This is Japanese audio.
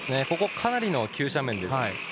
かなりの急斜面です。